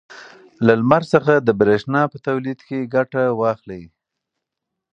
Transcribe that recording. له لمر څخه د برېښنا په تولید کې ګټه واخلئ.